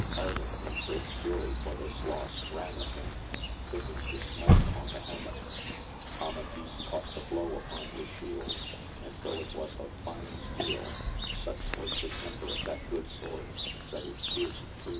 Ardan in great fary for this loss ran at him, thinking to smite him on the helmet; Amadis caught the blow upon his shield, and though it was of fine steel, such was the temper of that good sword that it jHerced through 100 AMADIS OF GAUL.